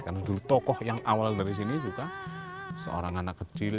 karena dulu tokoh yang awal dari sini juga seorang anak kecil